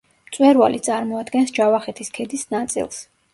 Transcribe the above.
მწვერვალი წარმოადგენს ჯავახეთის ქედის ნაწილს.